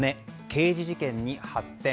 刑事事件に発展。